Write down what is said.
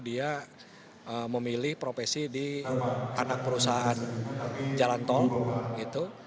dia memilih profesi di anak perusahaan jalan tol gitu